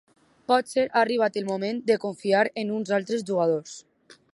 Potser ha arribat el moment de confiar en uns altres jugadors.